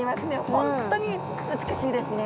本当に美しいですね。